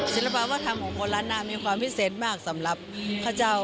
ศิลปะวัฒนธรรมของคนล้านนามีความพิเศษมากสำหรับข้าเจ้า